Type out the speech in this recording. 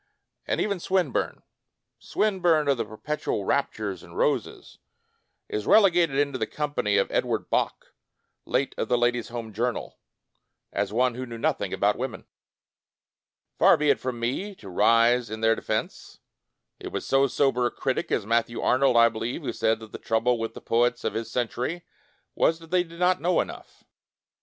And even Swinburne — Swinburne of the per petual raptures and roses — is rele gated into the company of Edward Bok, late of "The Ladies' Home Jour nal", as one who knew nothing about women. Far be it from me to rise in their defense. It was so sober a critic as Matthew Arnold, I believe, who said that the trouble with the poets of his century was that they did not know enough.